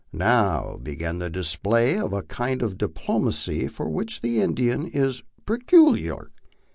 Now began the display of a kind of diplomacy for which the Indian is peculiar.